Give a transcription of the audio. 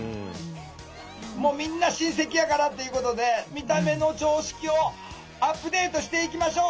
もうみんな親戚やからっていうことで見た目の常識をアップデートしていきましょう！